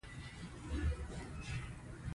نورستان د افغانانو د ګټورتیا برخه ده.